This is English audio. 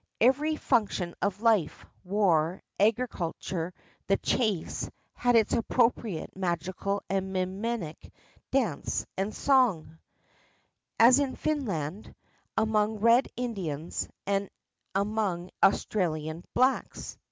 Every function of life, war, agriculture, the chase, had its appropriate magical and mimetic dance and song, as in Finland, among Red Indians, and among Australian blacks.